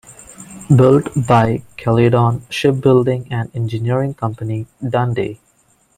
Built by the Caledon Shipbuilding and Engineering Company, Dundee.